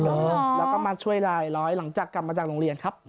แล้วก็มาช่วยลายร้อยหลังจากกลับมาจากโรงเรียนครับ